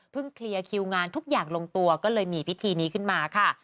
เคลียร์คิวงานทุกอย่างลงตัวก็เลยมีพิธีนี้ขึ้นมาค่ะ